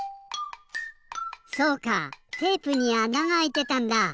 そうかテープにあながあいてたんだ！